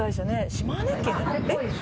島根県？